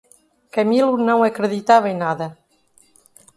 Camilo não acreditava em nada.